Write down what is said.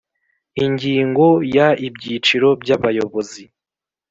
Ingingo ya ibyiciro by abayobozi